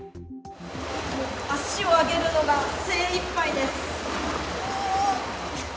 足を上げるのが精いっぱいです。